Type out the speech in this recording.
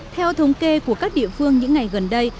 theo thống kê của các địa phương những ngày gần đây